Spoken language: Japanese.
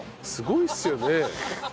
すごいっすよね。